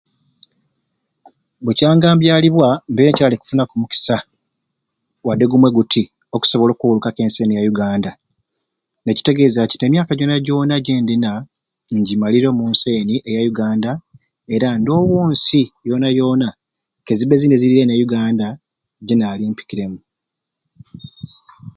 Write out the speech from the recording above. Bukyanga mbyalibwa mbeire nkyali kufunaku mukisa wade gumwei guti okusobola okuwulukaku ensi eni eya Uganda nekitegeeza ki nti emyaka gyona gyona gyendina njimaliire omunsi eni eya Uganda era ndowo ensi kazibe zini ezirireine e Uganda gyenaali mpikiremu